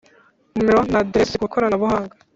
nomero na aderesi ku ikoranabuhanga